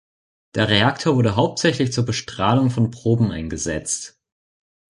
Der Reaktor wurde hauptsächlich zur Bestrahlung von Proben eingesetzt.